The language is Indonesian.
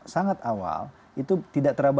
sangat awal itu tidak terlalu